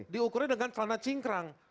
diukurnya dengan celana cingkrang